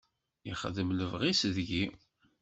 Yexdem lebɣi-s deg-i.